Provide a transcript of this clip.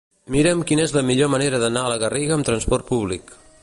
Mira'm quina és la millor manera d'anar a la Garriga amb trasport públic.